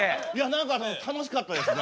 何かね楽しかったですね。